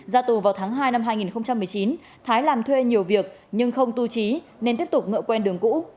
ra tù vào tháng hai năm hai nghìn một mươi chín thái làm thuê nhiều việc nhưng không tu trí nên tiếp tục ngựa quen đường cũ